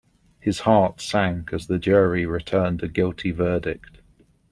His heart sank as the jury returned a guilty verdict.